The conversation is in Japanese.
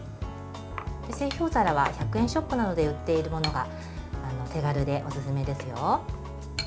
製氷皿は１００円ショップなどで売っているものが手軽でおすすめですよ。